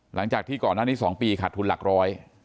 หลังจากที่ก่อนนั้น๒ปีค่ะทุนหลักร้อย